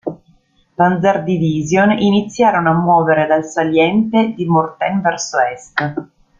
Panzer-Division iniziarono a muovere dal saliente di Mortain verso est.